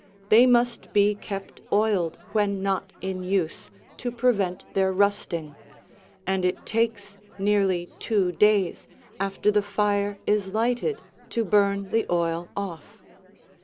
They must be kept oiled when not in use, to prevent their rusting, and it takes nearly two days after the fire is lighted to burn the oil off.